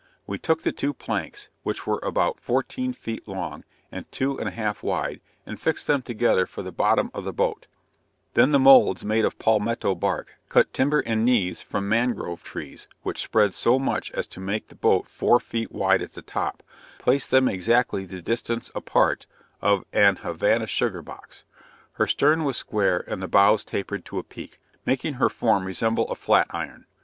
We took the two planks, which were about fourteen feet long, and two and a half wide, and fixed them together for the bottom of the boat; then with moulds made of palmetto bark, cut timber and knees from mangrove trees which spread so much as to make the boat four feet wide at the top, placed them exactly the distance apart of an Havana sugar box. Her stern was square and the bows tapered to a peak, making her form resemble a flat iron.